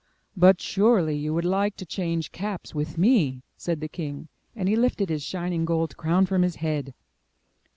*' ''But surely you would like to change caps with me," said the king, and he lifted his shining gold crown from his head.